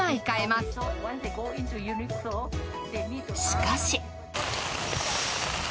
しかし。